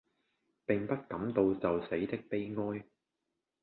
並不感到就死的悲哀。